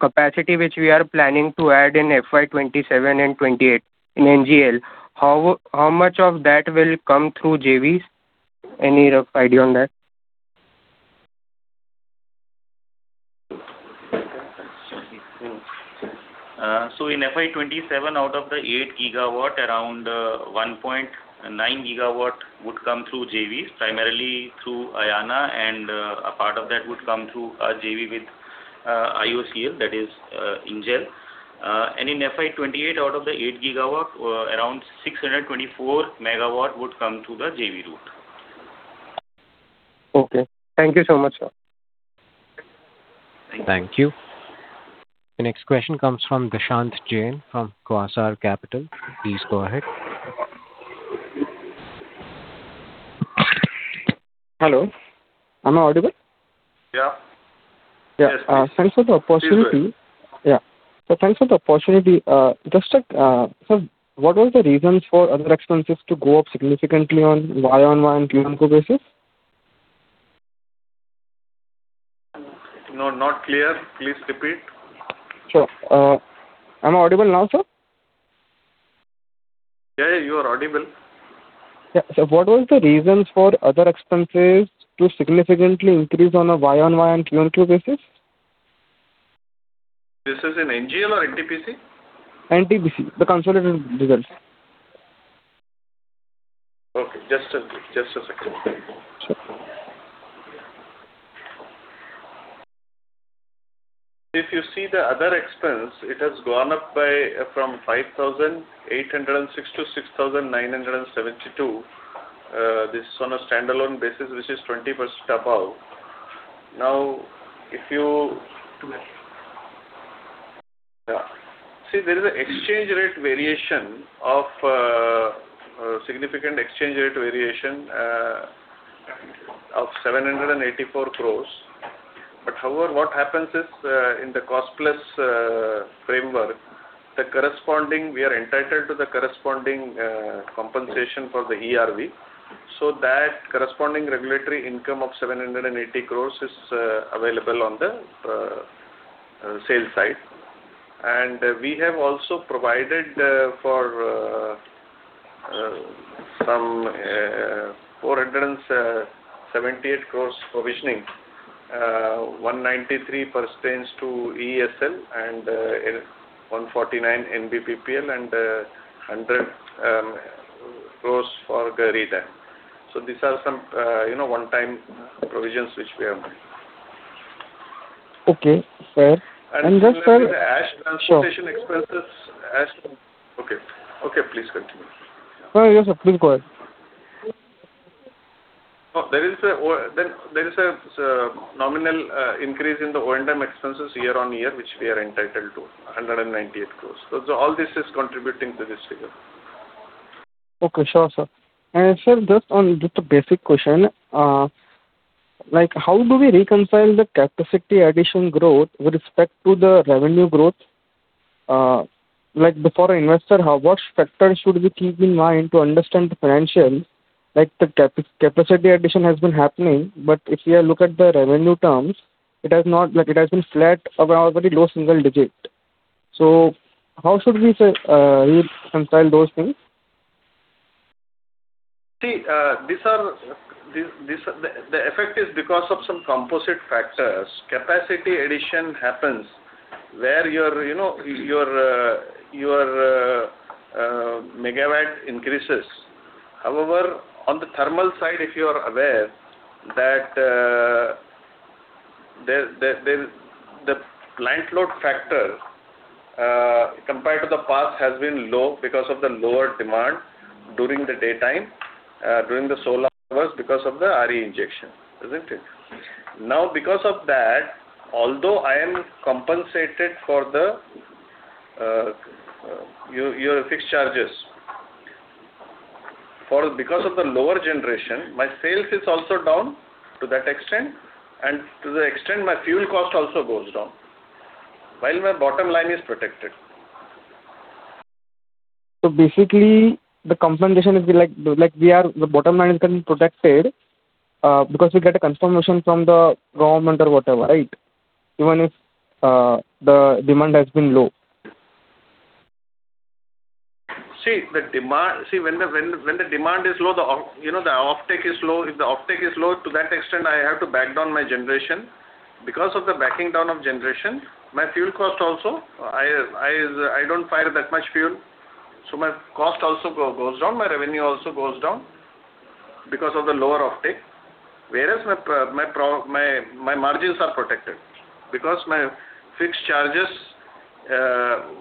Speaker 12: capacity, which we are planning to add in FY 2027 and 2028 in NGEL, how much of that will come through JVs? Any rough idea on that?
Speaker 3: In FY 2027, out of the 8 GW, around 1.9 GW would come through JVs, primarily through Ayana, and a part of that would come through our JV with IOCL, that is, NGEL. In FY 2028, out of the 8 GW, around 624 MW would come through the JV route.
Speaker 12: Okay. Thank you so much, sir.
Speaker 13: Thank you.
Speaker 1: Thank you. The next question comes from Dishant Jain from Quasar Capital. Please go ahead.
Speaker 14: Hello, am I audible?
Speaker 3: Yeah.
Speaker 14: Yeah.
Speaker 3: Yes, please.
Speaker 14: Thanks for the opportunity. Yeah. Thanks for the opportunity. Just check, sir, what was the reasons for other expenses to go up significantly on Y-on-Y and Q-on-Q basis?
Speaker 3: No, not clear. Please repeat.
Speaker 14: Sure. Am I audible now, sir?
Speaker 3: Yeah, you are audible.
Speaker 14: Yeah. What was the reasons for other expenses to significantly increase on a Y-on-Y and Q-on-Q basis?
Speaker 3: This is in NGEL or NTPC?
Speaker 14: NTPC, the consolidated results.
Speaker 3: Okay, just a second.
Speaker 14: Sure.
Speaker 3: If you see the other expense, it has gone up from 5,806-6,972. This is on a standalone basis, which is 20% above. If you see, there is a significant exchange rate variation of 784 crore. However, what happens is, in the cost plus framework, we are entitled to the corresponding compensation for the ERV. That corresponding regulatory income of 780 crore is available on the sales side. We have also provided for some 478 crore provisioning. 193 pertains to ESL and 149 NBPPL and 100 crore for [Gari Dam]. These are some one-time provisions which we have made.
Speaker 14: Okay, sir.
Speaker 3: Ash transportation expenses. Okay. Please continue.
Speaker 14: No, yes, sir. Please go ahead.
Speaker 3: There is a nominal increase in the O&M expenses year-on-year, which we are entitled to, 198 crore. All this is contributing to this figure.
Speaker 14: Okay. Sure, sir. Sir, just a basic question. How do we reconcile the capacity addition growth with respect to the revenue growth? Like for an investor, what factors should we keep in mind to understand the financials? Like the capacity addition has been happening, but if we look at the revenue terms, it has been flat around very low single digit. How should we reconcile those things?
Speaker 3: The effect is because of some composite factors. Capacity addition happens where your megawatt increases. On the thermal side, if you are aware, that the plant load factor, compared to the past, has been low because of the lower demand during the daytime, during the solar hours because of the RE injection, isn't it? Because of that, although I am compensated for your fixed charges, because of the lower generation, my sales is also down to that extent, and to the extent my fuel cost also goes down, while my bottom line is protected.
Speaker 14: Basically, the compensation is like the bottom line is getting protected because we get a confirmation from the Government or whatever, right? Even if the demand has been low.
Speaker 3: When the demand is low, the offtake is low. If the offtake is low, to that extent, I have to back down my generation. Of the backing down of generation, my fuel cost also, I don't fire that much fuel, so my cost also goes down, my revenue also goes down because of the lower offtake. My margins are protected.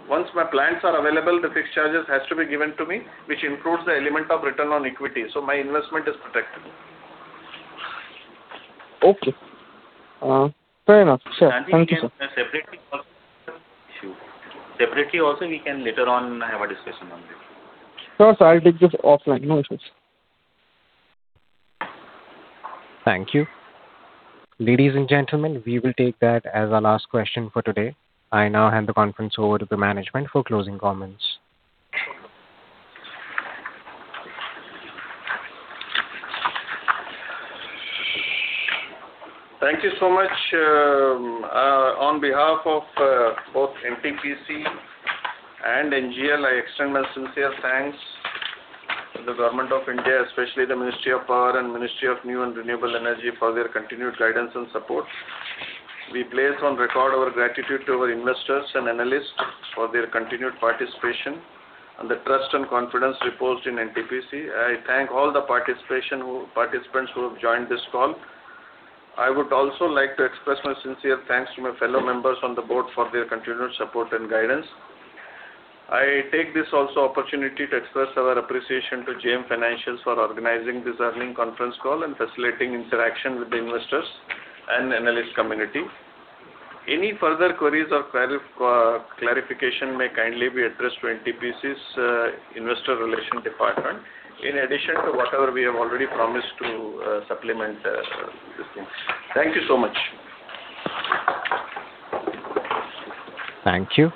Speaker 3: Once my plants are available, the fixed charges has to be given to me, which includes the element of return on equity. My investment is protected.
Speaker 14: Okay. Fair enough, sir. Thank you, sir.
Speaker 3: Separately also, we can later on have a discussion on that.
Speaker 14: Sure, sir. I'll take this offline. No issues.
Speaker 1: Thank you. Ladies and gentlemen, we will take that as our last question for today. I now hand the conference over to the management for closing comments.
Speaker 3: Thank you so much. On behalf of both NTPC and NGEL, I extend my sincere thanks to the Government of India, especially the Ministry of Power and Ministry of New and Renewable Energy for their continued guidance and support. We place on record our gratitude to our investors and analysts for their continued participation and the trust and confidence reposed in NTPC. I thank all the participants who have joined this call. I would also like to express my sincere thanks to my fellow members on the board for their continued support and guidance. I take this also opportunity to express our appreciation to JM Financial for organizing this earning conference call and facilitating interaction with the investors and analyst community. Any further queries or clarification may kindly be addressed to NTPC's Investor Relation Department, in addition to whatever we have already promised to supplement these things. Thank you so much.
Speaker 1: Thank you.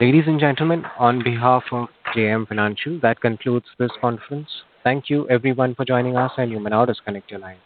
Speaker 1: Ladies and gentlemen, on behalf of JM Financial, that concludes this conference. Thank you everyone for joining us. You may now disconnect your lines.